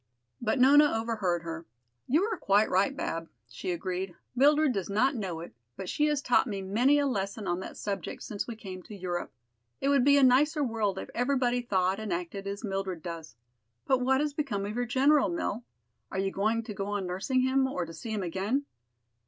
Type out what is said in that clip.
But Nona overheard her. "You are quite right, Bab," she agreed. "Mildred does not know it, but she has taught me many a lesson on that subject since we came to Europe. It would be a nicer world if everybody thought and acted as Mildred does. But what has become of your general, Mill? Are you to go on nursing him or to see him again?"